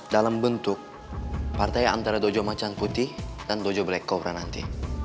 dalam bentuk partai antara dojo macan putih dan dojo black cobra nanti